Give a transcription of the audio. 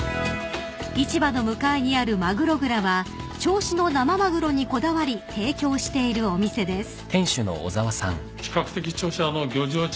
［市場の向かいにある鮪蔵は銚子の生マグロにこだわり提供しているお店です］